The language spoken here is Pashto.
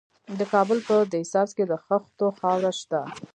د کابل په ده سبز کې د خښتو خاوره شته.